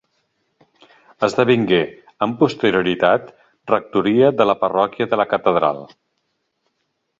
Esdevingué, amb posterioritat, rectoria de la parròquia de la catedral.